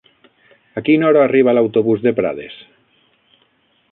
A quina hora arriba l'autobús de Prades?